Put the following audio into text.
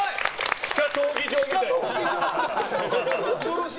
地下闘技場みたい。